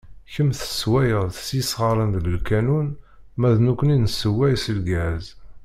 Kemm tessewwayeḍ s yisɣaren deg lkanun ma d nekni nessewway s lgaz.